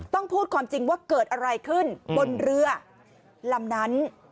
พูดความจริงว่าเกิดอะไรขึ้นบนเรือลำนั้น